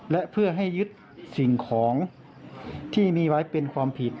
และเพื่อให้ยึดสิ่งของที่มีไว้เป็นความผิด